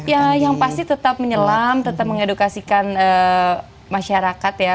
ya yang pasti tetap menyelam tetap mengedukasikan masyarakat ya